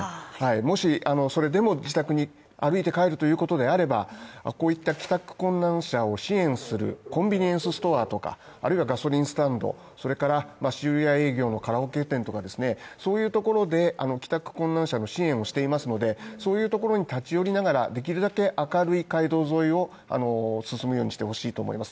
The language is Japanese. もしそれでも自宅に歩いて帰るということであれば、こういった帰宅困難者を支援するコンビニエンスストアとか、あるいはガソリンスタンドそれから終夜営業のカラオケ店とかですねそういうところで帰宅困難者の支援をしていますので、そういうところに立ち寄りながら、できるだけ明るい街道沿いを進むようにしてほしいと思います。